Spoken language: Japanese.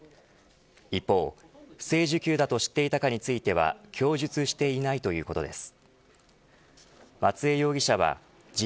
一方、不正受給だと知っていたかについては供述していないということです。